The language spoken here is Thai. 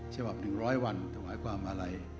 ฉบับหนึ่งร้อยวันถวายความมารัย